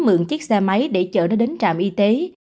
mượn chiếc xe máy để chở đã đến trạm y tế